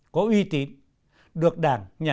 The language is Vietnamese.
có uy tín